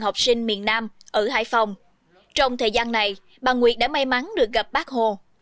học sinh miền nam ở hải phòng trong thời gian này bà nguyệt đã may mắn được gặp bác hồ